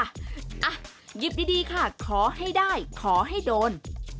อ่ะหยิบดีค่ะขอให้ได้ขอให้โดน